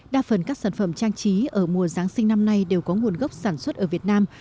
đa phần các sản phẩm trang trí ở mùa giáng sinh năm nay đều có nguồn gốc sản xuất ở việt nam